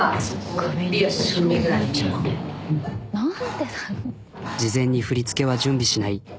で事前に振り付けは準備しない。